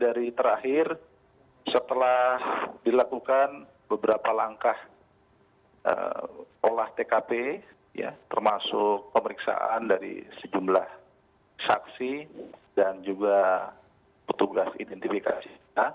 dari terakhir setelah dilakukan beberapa langkah olah tkp termasuk pemeriksaan dari sejumlah saksi dan juga petugas identifikasi